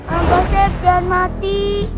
angkotek jangan mati